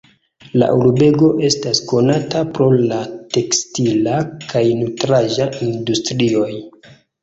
La urbego estas konata pro la tekstila kaj nutraĵa industrioj.